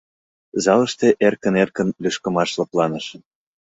Залыште эркын-эркын лӱшкымаш лыпланыш.